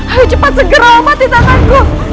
ayo cepat segera obat di tatanku